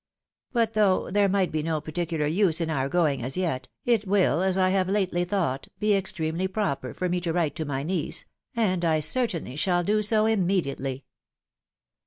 But though there might be no particular use in our going, as yet, it will, as I have lately thought, be extremely proper for me to write to my niece, and I certainly shall do so immediately."